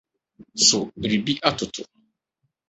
‘ So Biribi Atõtõ? ’